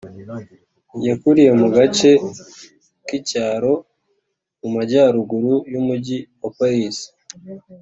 Yakuriye mu gace k’icyaro mu majyaruguru y’umugi wa Paris.